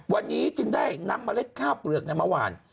วันนี้จึงได้นำเมล็ดข้าวเปลือกมาหวาน